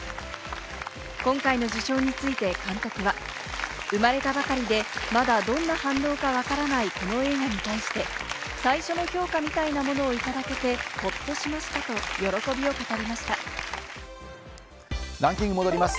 今回の受賞について監督は生まれたばかりで、まだどんな反応かわからないこの映画に対して、最初の評価みたいなものをいただけてほっとしましたと喜びを語りランキング戻ります。